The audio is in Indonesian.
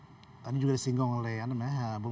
oke karena kan tadi juga disinggung oleh bung marco tadi bahwa